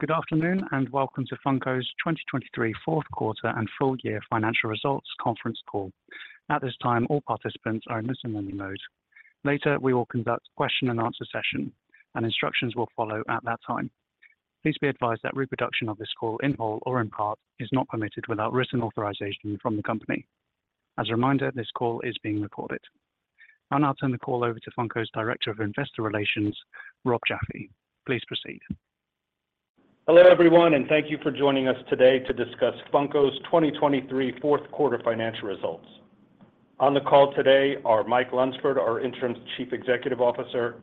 Good afternoon and welcome to Funko's 2023 fourth quarter and full year financial results conference call. At this time, all participants are in listen-only mode. Later, we will conduct a question-and-answer session, and instructions will follow at that time. Please be advised that reproduction of this call in whole or in part is not permitted without written authorization from the company. As a reminder, this call is being recorded. I'll turn the call over to Funko's Director of Investor Relations, Rob Jaffe. Please proceed. Hello everyone, and thank you for joining us today to discuss Funko's 2023 fourth quarter financial results. On the call today are Mike Lunsford, our interim Chief Executive Officer,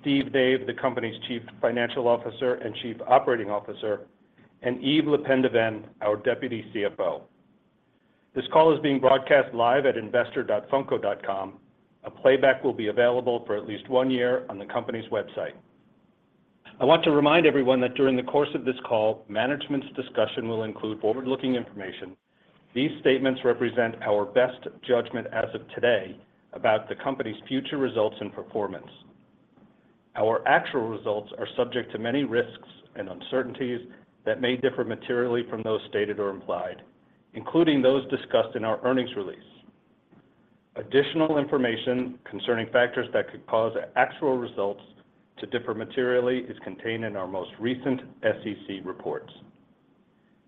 Steve Nave, the company's Chief Financial Officer and Chief Operating Officer, and Yves LePendeven, our Deputy CFO. This call is being broadcast live at investor.funko.com. A playback will be available for at least one year on the company's website. I want to remind everyone that during the course of this call, management's discussion will include forward-looking information. These statements represent our best judgment as of today about the company's future results and performance. Our actual results are subject to many risks and uncertainties that may differ materially from those stated or implied, including those discussed in our earnings release. Additional information concerning factors that could cause actual results to differ materially is contained in our most recent SEC reports.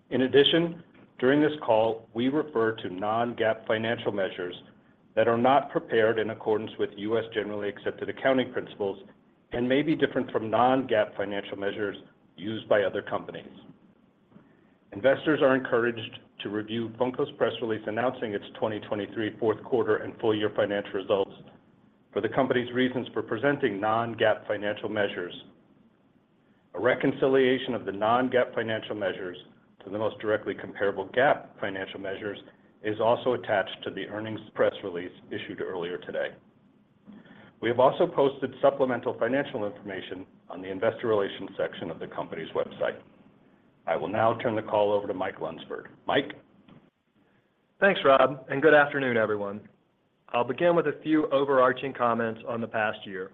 In addition, during this call, we refer to non-GAAP financial measures that are not prepared in accordance with U.S. generally accepted accounting principles and may be different from non-GAAP financial measures used by other companies. Investors are encouraged to review Funko's press release announcing its 2023 fourth quarter and full year financial results for the company's reasons for presenting non-GAAP financial measures. A reconciliation of the non-GAAP financial measures to the most directly comparable GAAP financial measures is also attached to the earnings press release issued earlier today. We have also posted supplemental financial information on the investor relations section of the company's website. I will now turn the call over to Mike Lunsford. Mike? Thanks, Rob, and good afternoon, everyone. I'll begin with a few overarching comments on the past year.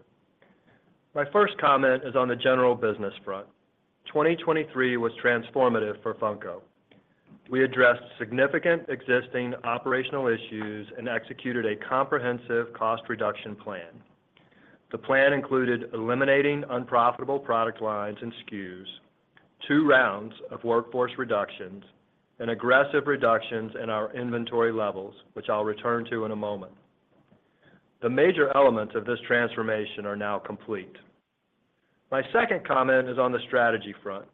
My first comment is on the general business front. 2023 was transformative for Funko. We addressed significant existing operational issues and executed a comprehensive cost reduction plan. The plan included eliminating unprofitable product lines and SKUs, two rounds of workforce reductions, and aggressive reductions in our inventory levels, which I'll return to in a moment. The major elements of this transformation are now complete. My second comment is on the strategy front.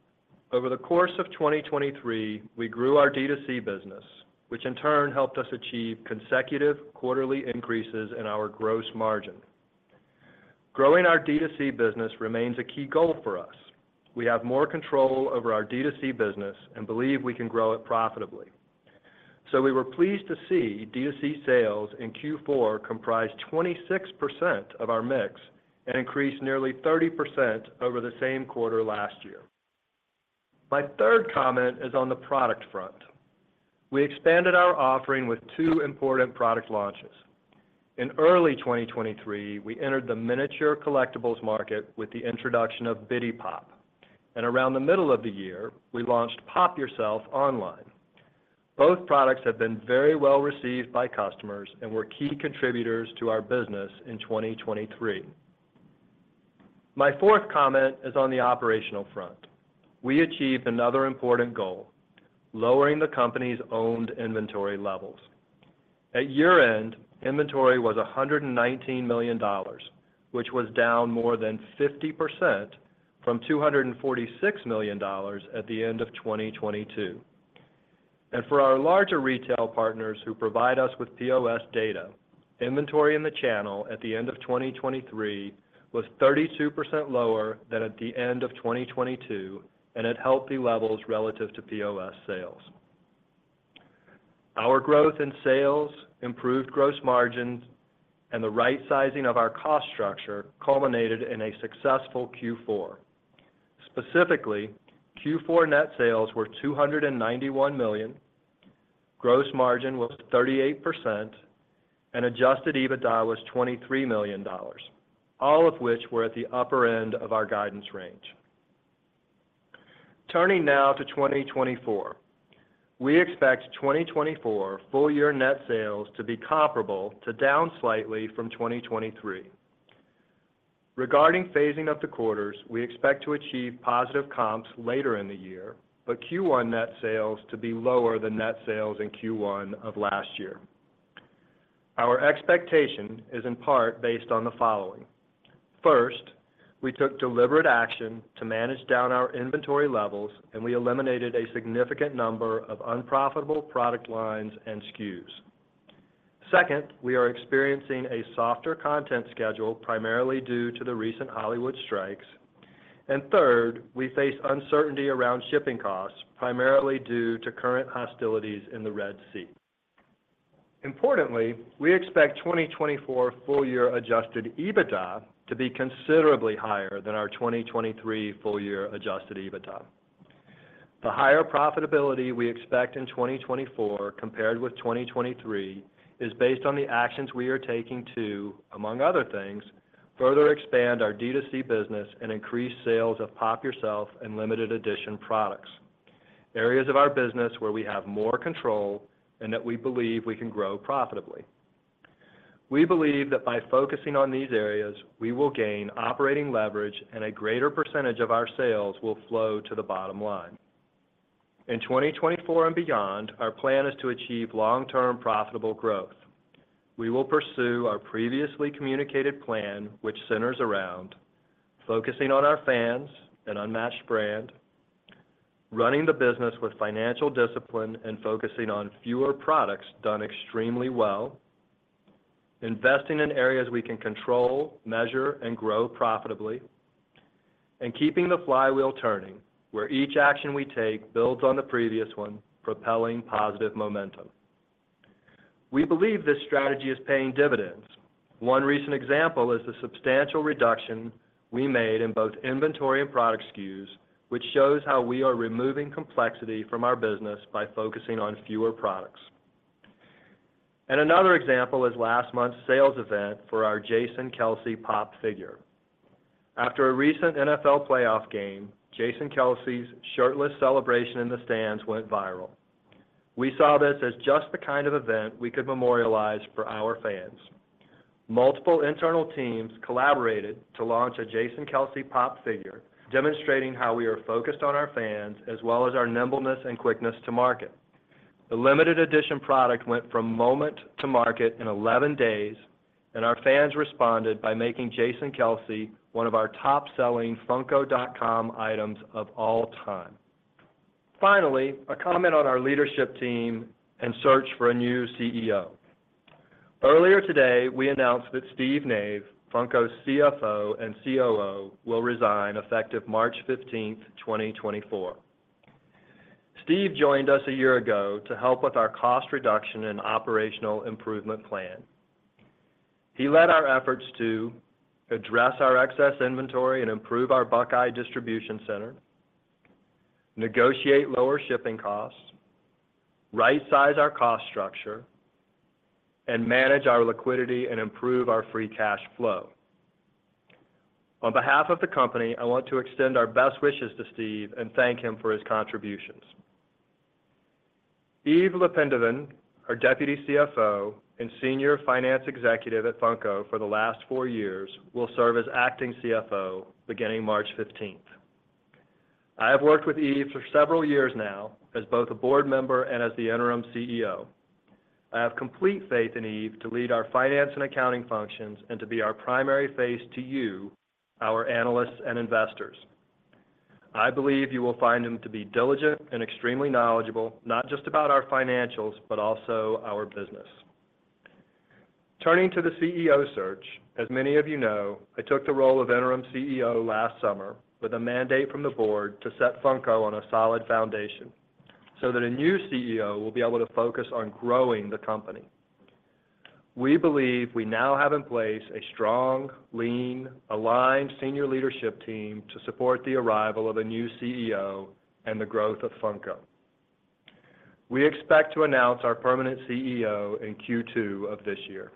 Over the course of 2023, we grew our D2C business, which in turn helped us achieve consecutive quarterly increases in our gross margin. Growing our D2C business remains a key goal for us. We have more control over our D2C business and believe we can grow it profitably. So we were pleased to see D2C sales in Q4 comprise 26% of our mix and increase nearly 30% over the same quarter last year. My third comment is on the product front. We expanded our offering with two important product launches. In early 2023, we entered the miniature collectibles market with the introduction of Bitty Pop!, and around the middle of the year, we launched Pop! Yourself online. Both products have been very well received by customers and were key contributors to our business in 2023. My fourth comment is on the operational front. We achieved another important goal: lowering the company's owned inventory levels. At year-end, inventory was $119 million, which was down more than 50% from $246 million at the end of 2022. For our larger retail partners who provide us with POS data, inventory in the channel at the end of 2023 was 32% lower than at the end of 2022, and it helped the levels relative to POS sales. Our growth in sales, improved gross margins, and the right-sizing of our cost structure culminated in a successful Q4. Specifically, Q4 net sales were $291 million, gross margin was 38%, and adjusted EBITDA was $23 million, all of which were at the upper end of our guidance range. Turning now to 2024. We expect 2024 full year net sales to be comparable to down slightly from 2023. Regarding phasing of the quarters, we expect to achieve positive comps later in the year, but Q1 net sales to be lower than net sales in Q1 of last year. Our expectation is in part based on the following. First, we took deliberate action to manage down our inventory levels, and we eliminated a significant number of unprofitable product lines and SKUs. Second, we are experiencing a softer content schedule primarily due to the recent Hollywood strikes. Third, we face uncertainty around shipping costs primarily due to current hostilities in the Red Sea. Importantly, we expect 2024 full year Adjusted EBITDA to be considerably higher than our 2023 full year Adjusted EBITDA. The higher profitability we expect in 2024 compared with 2023 is based on the actions we are taking to, among other things, further expand our D2C business and increase sales of Pop! Yourself and limited edition products, areas of our business where we have more control and that we believe we can grow profitably. We believe that by focusing on these areas, we will gain operating leverage and a greater percentage of our sales will flow to the bottom line. In 2024 and beyond, our plan is to achieve long-term profitable growth. We will pursue our previously communicated plan, which centers around: focusing on our fans, an unmatched brand. Running the business with financial discipline and focusing on fewer products done extremely well. Investing in areas we can control, measure, and grow profitably. And keeping the flywheel turning, where each action we take builds on the previous one, propelling positive momentum. We believe this strategy is paying dividends. One recent example is the substantial reduction we made in both inventory and product SKUs, which shows how we are removing complexity from our business by focusing on fewer products. Another example is last month's sales event for our Jason Kelce Pop! figure. After a recent NFL playoff game, Jason Kelce's shirtless celebration in the stands went viral. We saw this as just the kind of event we could memorialize for our fans. Multiple internal teams collaborated to launch a Jason Kelce Pop! figure, demonstrating how we are focused on our fans as well as our nimbleness and quickness to market. The limited edition product went from moment to market in 11 days, and our fans responded by making Jason Kelce one of our top-selling Funko.com items of all time. Finally, a comment on our leadership team and search for a new CEO. Earlier today, we announced that Steve Nave, Funko's CFO and COO, will resign effective March 15th, 2024. Steve joined us a year ago to help with our cost reduction and operational improvement plan. He led our efforts to address our excess inventory and improve our Buckeye Distribution Center, negotiate lower shipping costs, right-size our cost structure, and manage our liquidity and improve our free cash flow. On behalf of the company, I want to extend our best wishes to Steve and thank him for his contributions. Yves LePendeven, our Deputy CFO and Senior Finance Executive at Funko for the last four years, will serve as Acting CFO beginning March 15. I have worked with Yves for several years now as both a board member and as the Interim CEO. I have complete faith in Yves to lead our finance and accounting functions and to be our primary face to you, our analysts and investors. I believe you will find him to be diligent and extremely knowledgeable, not just about our financials but also our business. Turning to the CEO search. As many of you know, I took the role of Interim CEO last summer with a mandate from the board to set Funko on a solid foundation so that a new CEO will be able to focus on growing the company. We believe we now have in place a strong, lean, aligned senior leadership team to support the arrival of a new CEO and the growth of Funko. We expect to announce our permanent CEO in Q2 of this year.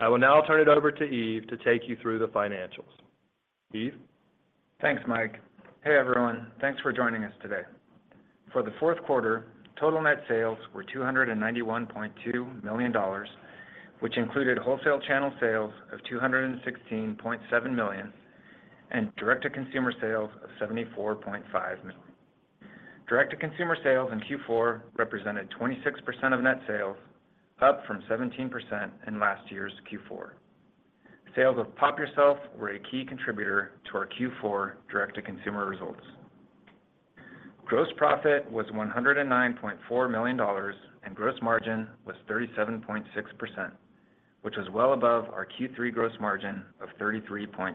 I will now turn it over to Yves to take you through the financials. Yves? Thanks, Mike. Hey everyone. Thanks for joining us today. For the fourth quarter, total net sales were $291.2 million, which included wholesale channel sales of $216.7 million and direct-to-consumer sales of $74.5 million. Direct-to-consumer sales in Q4 represented 26% of net sales, up from 17% in last year's Q4. Sales of Pop! Yourself were a key contributor to our Q4 direct-to-consumer results. Gross profit was $109.4 million and gross margin was 37.6%, which was well above our Q3 gross margin of 33.2%.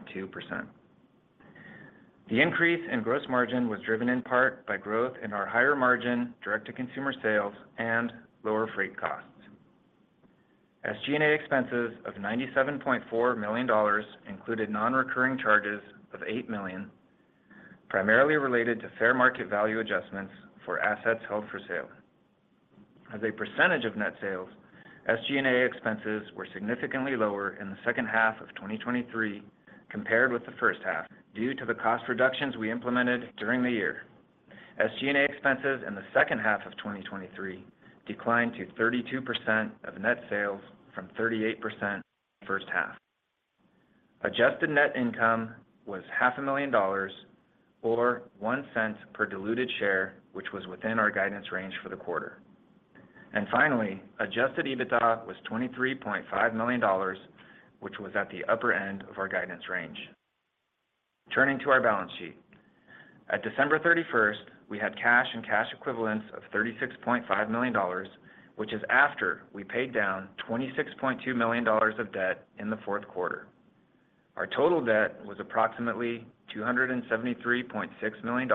The increase in gross margin was driven in part by growth in our higher margin direct-to-consumer sales and lower freight costs. SG&A expenses of $97.4 million included non-recurring charges of $8 million, primarily related to fair market value adjustments for assets held for sale. As a percentage of net sales, SG&A expenses were significantly lower in the second half of 2023 compared with the first half due to the cost reductions we implemented during the year. SG&A expenses in the second half of 2023 declined to 32% of net sales from 38% first half. Adjusted net income was $500,000 or $0.01 per diluted share, which was within our guidance range for the quarter. And finally, adjusted EBITDA was $23.5 million, which was at the upper end of our guidance range. Turning to our balance sheet. At December 31, we had cash and cash equivalents of $36.5 million, which is after we paid down $26.2 million of debt in the fourth quarter. Our total debt was approximately $273.6 million,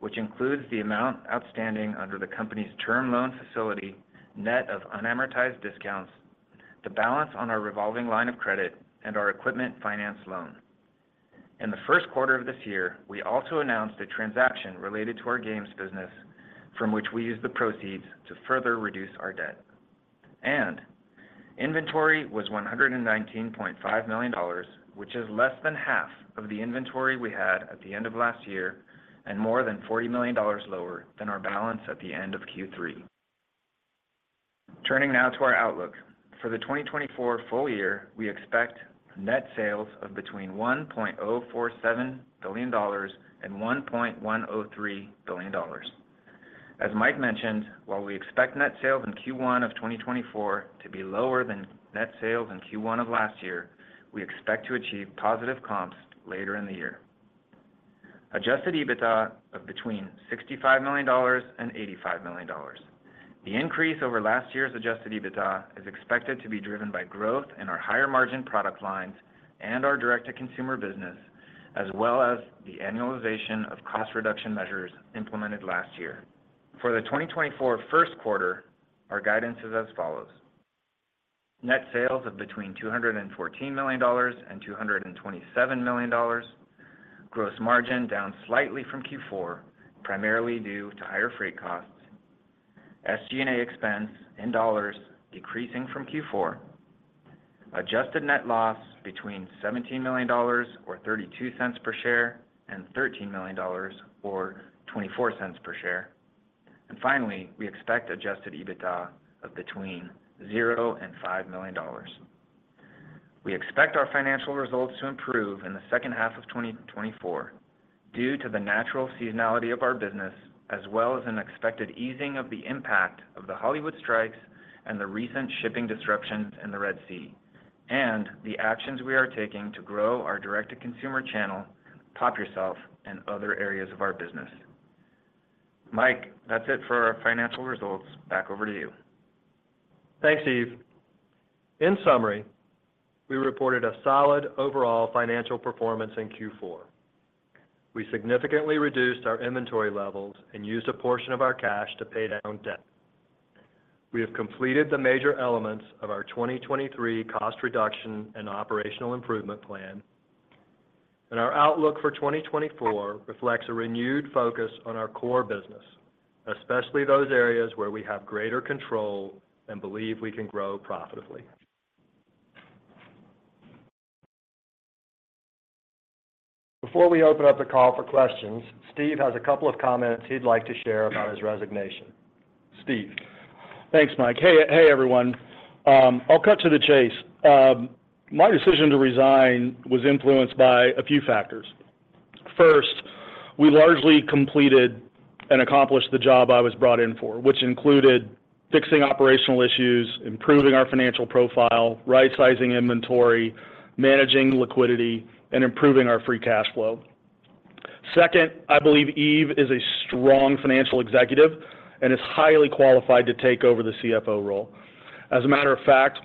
which includes the amount outstanding under the company's term loan facility, net of unamortized discounts, the balance on our revolving line of credit, and our equipment finance loan. In the first quarter of this year, we also announced a transaction related to our games business, from which we used the proceeds to further reduce our debt. Inventory was $119.5 million, which is less than half of the inventory we had at the end of last year and more than $40 million lower than our balance at the end of Q3. Turning now to our outlook. For the 2024 full year, we expect net sales of between $1.047 billion and $1.103 billion. As Mike mentioned, while we expect net sales in Q1 of 2024 to be lower than net sales in Q1 of last year, we expect to achieve positive comps later in the year. Adjusted EBITDA of between $65 million-$85 million. The increase over last year's adjusted EBITDA is expected to be driven by growth in our higher margin product lines and our direct-to-consumer business, as well as the annualization of cost reduction measures implemented last year. For the 2024 first quarter, our guidance is as follows: net sales of between $214 million-$227 million, gross margin down slightly from Q4 primarily due to higher freight costs. SG&A expense in dollars decreasing from Q4. Adjusted net loss between $17 million or $0.32 per share and $13 million or $0.24 per share. And finally, we expect adjusted EBITDA of between $0-$5 million. We expect our financial results to improve in the second half of 2024 due to the natural seasonality of our business, as well as an expected easing of the impact of the Hollywood strikes and the recent shipping disruptions in the Red Sea, and the actions we are taking to grow our direct-to-consumer channel, Pop! Yourself, and other areas of our business. Mike, that's it for our financial results. Back over to you. Thanks, Yves. In summary, we reported a solid overall financial performance in Q4. We significantly reduced our inventory levels and used a portion of our cash to pay down debt. We have completed the major elements of our 2023 cost reduction and operational improvement plan, and our outlook for 2024 reflects a renewed focus on our core business, especially those areas where we have greater control and believe we can grow profitably. Before we open up the call for questions, Steve has a couple of comments he'd like to share about his resignation. Steve. Thanks, Mike. Hey everyone. I'll cut to the chase. My decision to resign was influenced by a few factors. First, we largely completed and accomplished the job I was brought in for, which included fixing operational issues, improving our financial profile, right-sizing inventory, managing liquidity, and improving our free cash flow. Second, I believe Yves is a strong financial executive and is highly qualified to take over the CFO role. As a matter of fact,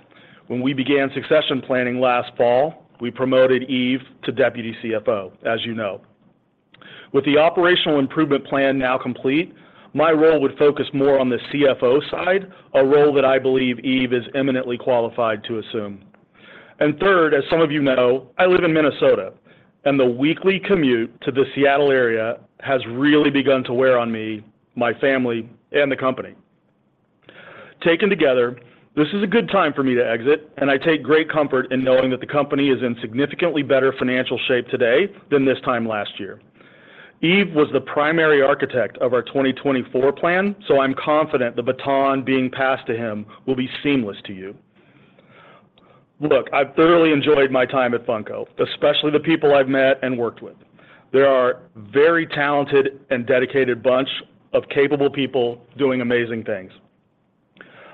when we began succession planning last fall, we promoted Yves to Deputy CFO, as you know. With the operational improvement plan now complete, my role would focus more on the CFO side, a role that I believe Yves is eminently qualified to assume. And third, as some of you know, I live in Minnesota, and the weekly commute to the Seattle area has really begun to wear on me, my family, and the company. Taken together, this is a good time for me to exit, and I take great comfort in knowing that the company is in significantly better financial shape today than this time last year. Yves was the primary architect of our 2024 plan, so I'm confident the baton being passed to him will be seamless to you. Look, I've thoroughly enjoyed my time at Funko, especially the people I've met and worked with. They're a very talented and dedicated bunch of capable people doing amazing things.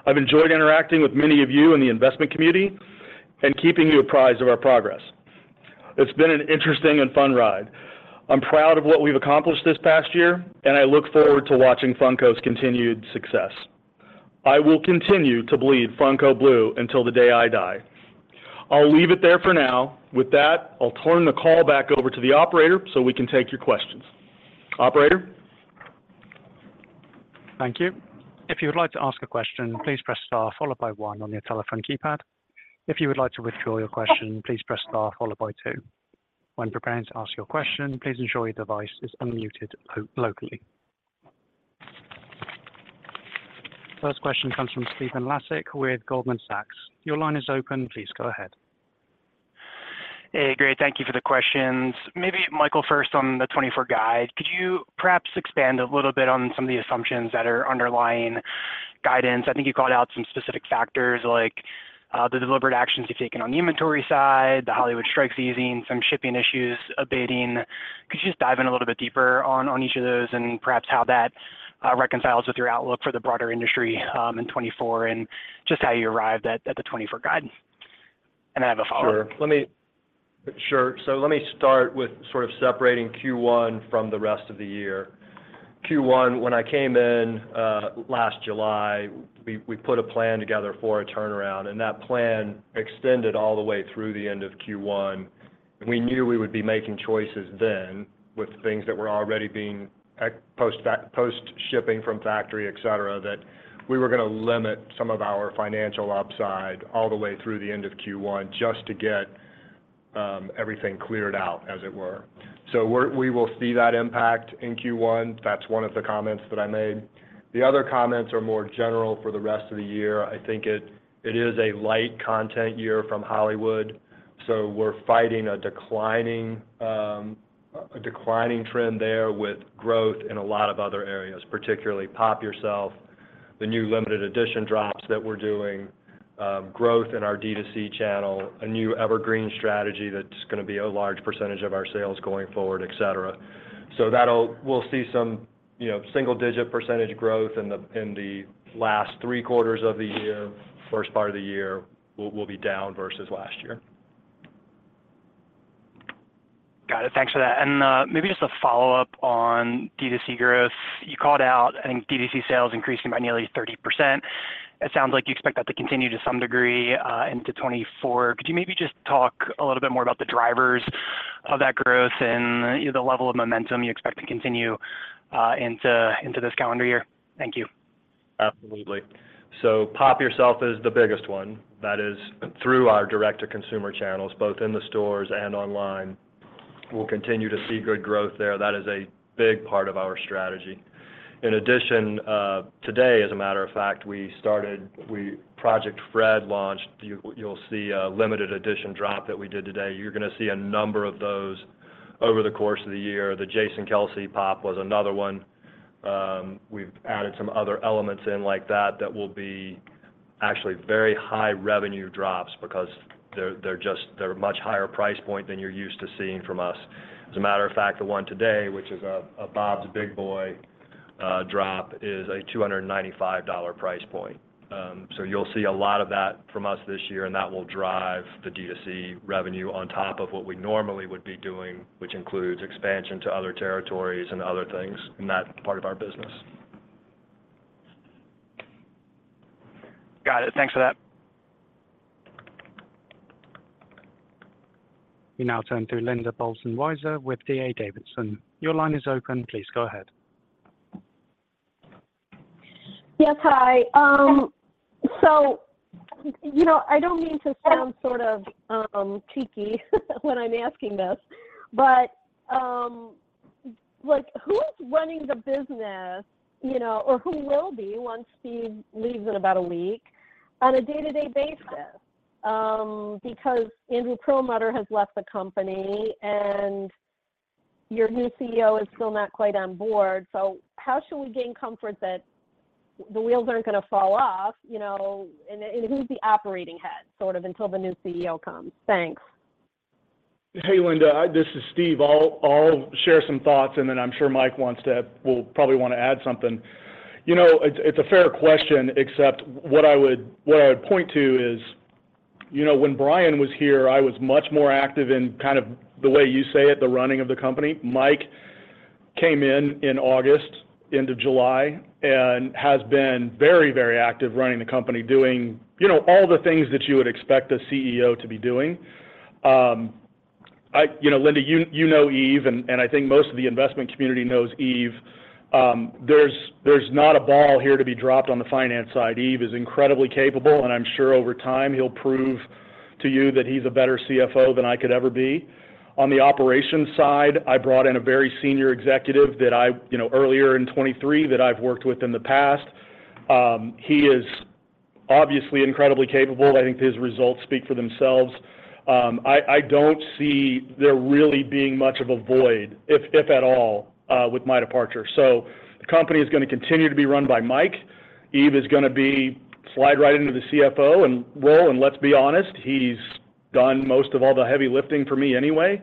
I've enjoyed interacting with many of you in the investment community and keeping you apprised of our progress. It's been an interesting and fun ride. I'm proud of what we've accomplished this past year, and I look forward to watching Funko's continued success. I will continue to bleed Funko Blue until the day I die. I'll leave it there for now. With that, I'll turn the call back over to the operator so we can take your questions. Operator? Thank you. If you would like to ask a question, please press star followed by one on your telephone keypad. If you would like to withdraw your question, please press star followed by two. When preparing to ask your question, please ensure your device is unmuted locally. First question comes from Stephen Laszczyk with Goldman Sachs. Your line is open. Please go ahead. Hey, great. Thank you for the questions. Maybe Michael first on the 2024 guide. Could you perhaps expand a little bit on some of the assumptions that are underlying guidance? I think you called out some specific factors like the deliberate actions you've taken on the inventory side, the Hollywood strikes easing, some shipping issues abating. Could you just dive in a little bit deeper on each of those and perhaps how that reconciles with your outlook for the broader industry in 2024 and just how you arrived at the 2024 guide? And then I have a follow-up. Sure. Sure. So let me start with sort of separating Q1 from the rest of the year. Q1, when I came in last July, we put a plan together for a turnaround, and that plan extended all the way through the end of Q1. We knew we would be making choices then with things that were already being post-shipping from factory, etc., that we were going to limit some of our financial upside all the way through the end of Q1 just to get everything cleared out, as it were. We will see that impact in Q1. That's one of the comments that I made. The other comments are more general for the rest of the year. I think it is a light content year from Hollywood, so we're fighting a declining trend there with growth in a lot of other areas, particularly Pop! Yourself, the new limited edition drops that we're doing, growth in our D2C channel, a new evergreen strategy that's going to be a large percentage of our sales going forward, etc. We'll see some single-digit % growth in the last three quarters of the year. First part of the year will be down versus last year. Got it. Thanks for that. And maybe just a follow-up on D2C growth. You called out, I think, D2C sales increasing by nearly 30%. It sounds like you expect that to continue to some degree into 2024. Could you maybe just talk a little bit more about the drivers of that growth and the level of momentum you expect to continue into this calendar year? Thank you. Absolutely. So Pop! Yourself is the biggest one. That is through our direct-to-consumer channels, both in the stores and online. We'll continue to see good growth there. That is a big part of our strategy. In addition, today, as a matter of fact, Project Fred launched. You'll see a limited edition drop that we did today. You're going to see a number of those over the course of the year. The Jason Kelce Pop! was another one. We've added some other elements in like that that will be actually very high revenue drops because they're a much higher price point than you're used to seeing from us. As a matter of fact, the one today, which is a Bob's Big Boy drop, is a $295 price point. So you'll see a lot of that from us this year, and that will drive the D2C revenue on top of what we normally would be doing, which includes expansion to other territories and other things in that part of our business. Got it. Thanks for that. We now turn to Linda Bolton Weiser with D.A. Davidson. Your line is open. Please go ahead. Yes, hi. So I don't mean to sound sort of cheeky when I'm asking this, but who's running the business or who will be once Steve leaves in about a week on a day-to-day basis? Because Andrew Perlmutter has left the company, and your new CEO is still not quite on board. So how should we gain comfort that the wheels aren't going to fall off? And who's the operating head sort of until the new CEO comes? Thanks. Hey, Linda. This is Steve. I'll share some thoughts, and then I'm sure Mike will probably want to add something. It's a fair question, except what I would point to is when Brian was here, I was much more active in kind of the way you say it, the running of the company. Mike came in in August, end of July, and has been very, very active running the company, doing all the things that you would expect a CEO to be doing. Linda, you know Yves, and I think most of the investment community knows Yves. There's not a ball here to be dropped on the finance side. Yves is incredibly capable, and I'm sure over time he'll prove to you that he's a better CFO than I could ever be. On the operations side, I brought in a very senior executive earlier in 2023 that I've worked with in the past. He is obviously incredibly capable. I think his results speak for themselves. I don't see there really being much of a void, if at all, with my departure. So the company is going to continue to be run by Mike. Yves is going to slide right into the CFO role, and let's be honest, he's done most of all the heavy lifting for me anyway.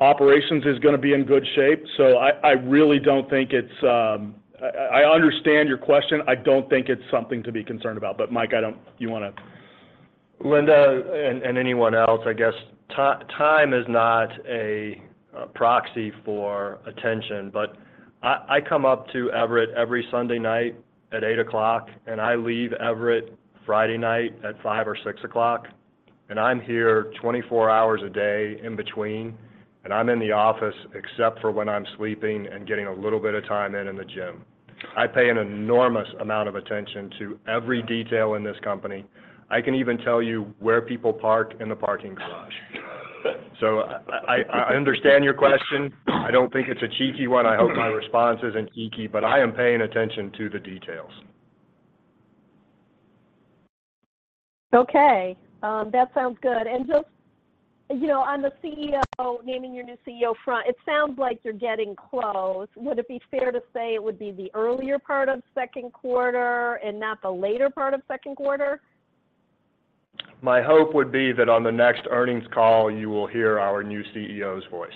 Operations is going to be in good shape. So I really don't think it's. I understand your question. I don't think it's something to be concerned about. But Mike, you want to? Linda, and anyone else, I guess time is not a proxy for attention. But I come up to Everett every Sunday night at 8:00 P.M., and I leave Everett Friday night at 5:00 P.M. or 6:00 P.M. And I'm here 24 hours a day in between, and I'm in the office except for when I'm sleeping and getting a little bit of time in in the gym. I pay an enormous amount of attention to every detail in this company. I can even tell you where people park in the parking garage. So I understand your question. I don't think it's a cheeky one. I hope my response isn't cheeky, but I am paying attention to the details. Okay. That sounds good. Just on the CEO naming your new CEO front, it sounds like you're getting close. Would it be fair to say it would be the earlier part of second quarter and not the later part of second quarter? My hope would be that on the next earnings call, you will hear our new CEO's voice.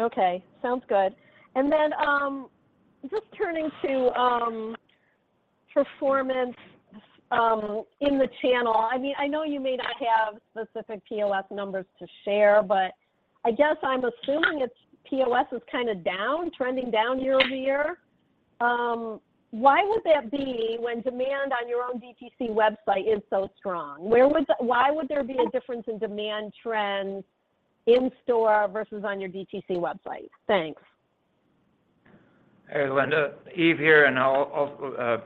Okay. Sounds good. And then just turning to performance in the channel, I mean, I know you may not have specific POS numbers to share, but I guess I'm assuming POS is kind of trending down year-over-year. Why would that be when demand on your own DTC website is so strong? Why would there be a difference in demand trends in-store versus on your DTC website? Thanks. Hey, Linda. Yves here, and I'll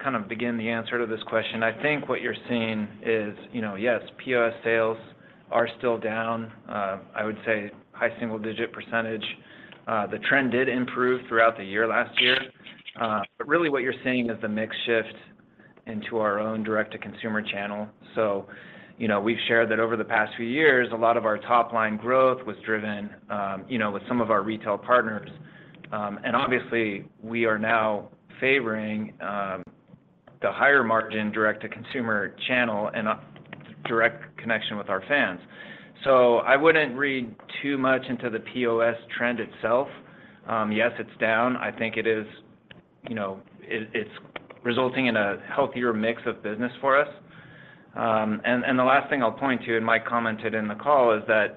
kind of begin the answer to this question. I think what you're seeing is, yes, POS sales are still down, I would say, high single-digit %. The trend did improve throughout the year last year. But really, what you're seeing is the mix shift into our own direct-to-consumer channel. So we've shared that over the past few years, a lot of our top-line growth was driven with some of our retail partners. And obviously, we are now favoring the higher-margin direct-to-consumer channel and direct connection with our fans. So I wouldn't read too much into the POS trend itself. Yes, it's down. I think it's resulting in a healthier mix of business for us. And the last thing I'll point to, and Mike commented in the call, is that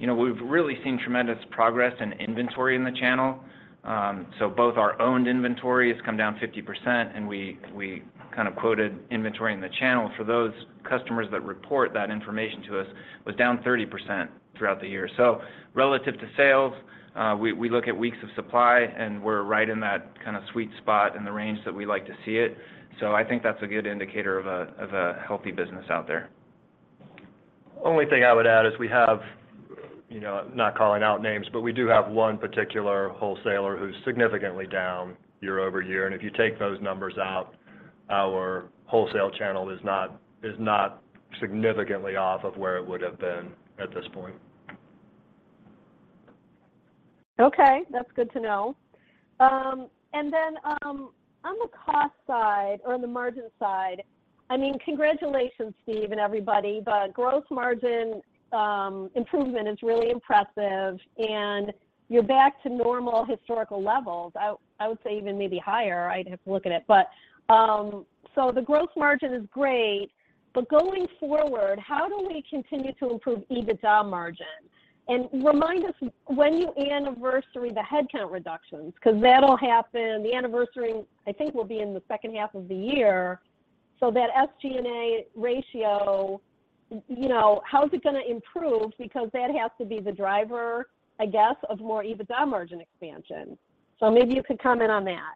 we've really seen tremendous progress in inventory in the channel. So both our owned inventory has come down 50%, and we kind of quoted inventory in the channel for those customers that report that information to us was down 30% throughout the year. So relative to sales, we look at weeks of supply, and we're right in that kind of sweet spot in the range that we like to see it. So I think that's a good indicator of a healthy business out there. Only thing I would add is we have. I'm not calling out names, but we do have one particular wholesaler who's significantly down year-over-year. If you take those numbers out, our wholesale channel is not significantly off of where it would have been at this point. Okay. That's good to know. And then on the cost side or on the margin side, I mean, congratulations, Steve, and everybody. The gross margin improvement is really impressive, and you're back to normal historical levels. I would say even maybe higher. I'd have to look at it. So the gross margin is great, but going forward, how do we continue to improve EBITDA margin? And remind us when you anniversary the headcount reductions because that'll happen. The anniversary, I think, will be in the second half of the year. So that SG&A ratio, how's it going to improve? Because that has to be the driver, I guess, of more EBITDA margin expansion. So maybe you could comment on that.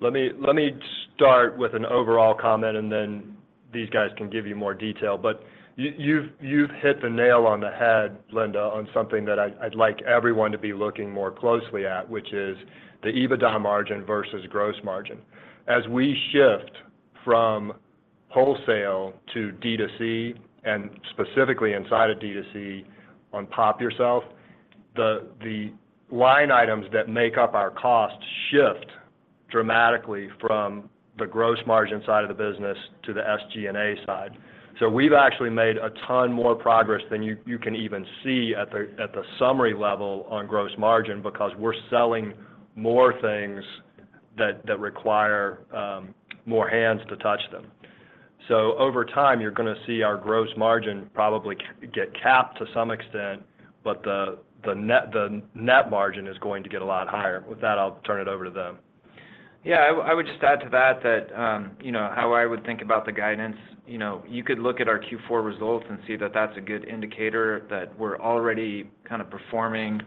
Let me start with an overall comment, and then these guys can give you more detail. But you've hit the nail on the head, Linda, on something that I'd like everyone to be looking more closely at, which is the EBITDA margin versus gross margin. As we shift from wholesale to D2C, and specifically inside of D2C on Pop! Yourself, the line items that make up our cost shift dramatically from the gross margin side of the business to the SG&A side. So we've actually made a ton more progress than you can even see at the summary level on gross margin because we're selling more things that require more hands to touch them. So over time, you're going to see our gross margin probably get capped to some extent, but the net margin is going to get a lot higher. With that, I'll turn it over to them. Yeah. I would just add to that that how I would think about the guidance. You could look at our Q4 results and see that that's a good indicator that we're already kind of performing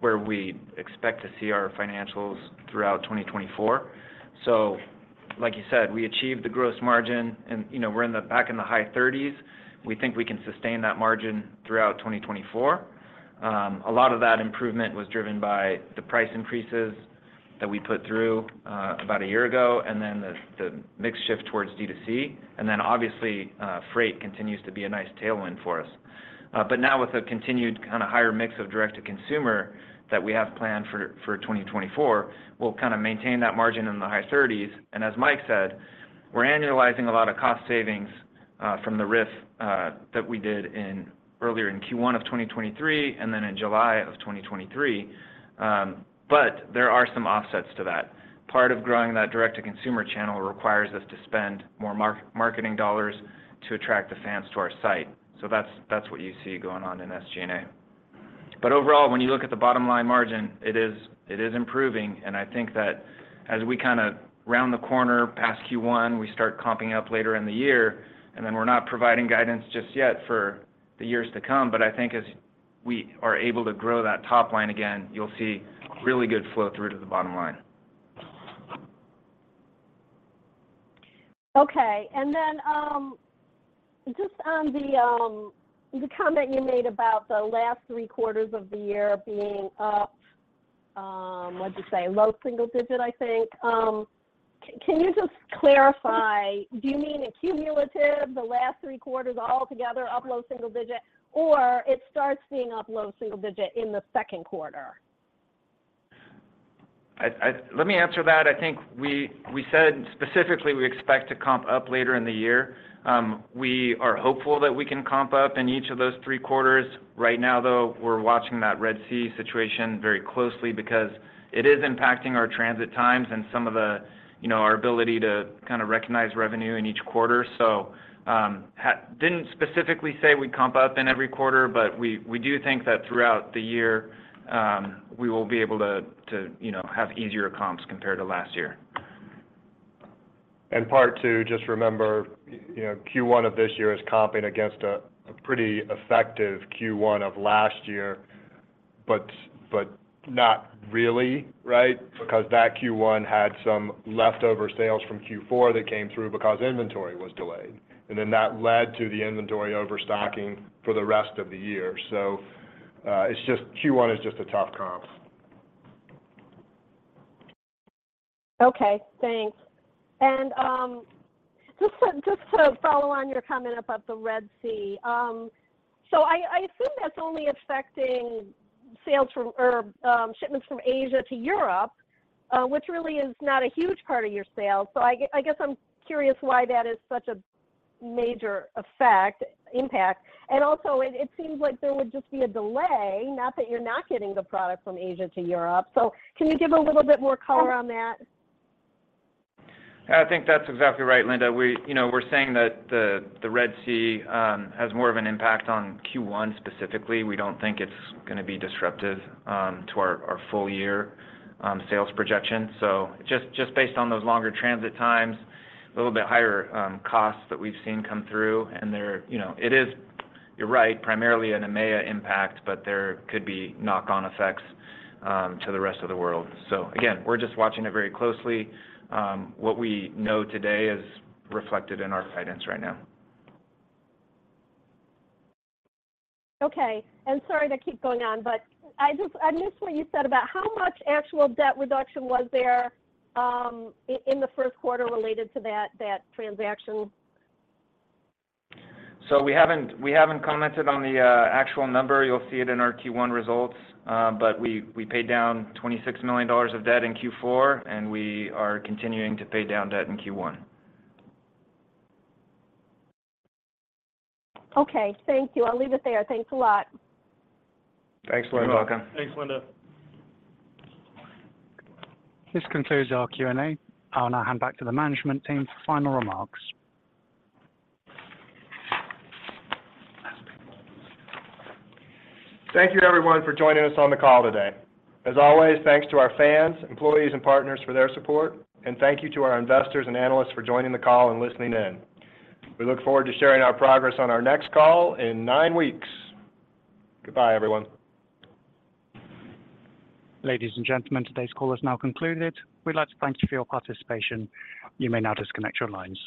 where we expect to see our financials throughout 2024. So like you said, we achieved the gross margin, and we're back in the high 30s%. We think we can sustain that margin throughout 2024. A lot of that improvement was driven by the price increases that we put through about a year ago and then the mix shift towards D2C. And then obviously, freight continues to be a nice tailwind for us. But now with a continued kind of higher mix of direct-to-consumer that we have planned for 2024, we'll kind of maintain that margin in the high 30s%. As Mike said, we're annualizing a lot of cost savings from the RIF that we did earlier in Q1 of 2023 and then in July of 2023. But there are some offsets to that. Part of growing that direct-to-consumer channel requires us to spend more marketing dollars to attract the fans to our site. So that's what you see going on in SG&A. But overall, when you look at the bottom-line margin, it is improving. And I think that as we kind of round the corner past Q1, we start comping up later in the year, and then we're not providing guidance just yet for the years to come. But I think as we are able to grow that top line again, you'll see really good flow through to the bottom line. Okay. And then just on the comment you made about the last three quarters of the year being up, what'd you say, low single digit, I think, can you just clarify? Do you mean a cumulative, the last three quarters altogether up low single digit, or it starts being up low single digit in the second quarter? Let me answer that. I think we said specifically we expect to comp up later in the year. We are hopeful that we can comp up in each of those three quarters. Right now, though, we're watching that Red Sea situation very closely because it is impacting our transit times and some of our ability to kind of recognize revenue in each quarter. So didn't specifically say we'd comp up in every quarter, but we do think that throughout the year, we will be able to have easier comps compared to last year. Part two, just remember, Q1 of this year is comping against a pretty effective Q1 of last year but not really, right? Because that Q1 had some leftover sales from Q4 that came through because inventory was delayed. Then that led to the inventory overstocking for the rest of the year. Q1 is just a tough comp. Okay. Thanks. And just to follow on your comment about the Red Sea, so I assume that's only affecting shipments from Asia to Europe, which really is not a huge part of your sales. So I guess I'm curious why that is such a major impact. And also, it seems like there would just be a delay, not that you're not getting the product from Asia to Europe. So can you give a little bit more color on that? Yeah. I think that's exactly right, Linda. We're saying that the Red Sea has more of an impact on Q1 specifically. We don't think it's going to be disruptive to our full-year sales projection. So just based on those longer transit times, a little bit higher costs that we've seen come through. And it is, you're right, primarily an EMEA impact, but there could be knock-on effects to the rest of the world. So again, we're just watching it very closely. What we know today is reflected in our guidance right now. Okay. Sorry to keep going on, but I missed what you said about how much actual debt reduction was there in the first quarter related to that transaction? So we haven't commented on the actual number. You'll see it in our Q1 results. But we paid down $26 million of debt in Q4, and we are continuing to pay down debt in Q1. Okay. Thank you. I'll leave it there. Thanks a lot. Thanks, Linda. You're welcome. Thanks, Linda. This concludes our Q&A. I'll now hand back to the management team for final remarks. Thank you, everyone, for joining us on the call today. As always, thanks to our fans, employees, and partners for their support. Thank you to our investors and analysts for joining the call and listening in. We look forward to sharing our progress on our next call in nine weeks. Goodbye, everyone. Ladies and gentlemen, today's call is now concluded. We'd like to thank you for your participation. You may now disconnect your lines.